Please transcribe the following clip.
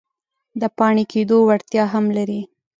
د پاڼې کیدو وړتیا هم لري.